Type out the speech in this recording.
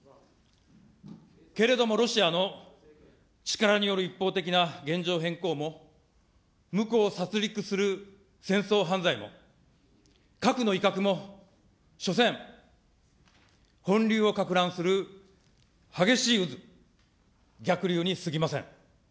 けれどもロシアの力による一方的な現状変更も、むこを殺りくする戦争犯罪も、核の威嚇もしょせん、本流をかく乱する激しい渦、逆流にすぎません。